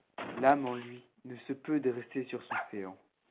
L’âme en lui ne se peut dresser sur son séant.